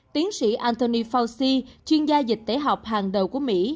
tiến sĩ anthony fauci chuyên gia dịch tế học hàng đầu của mỹ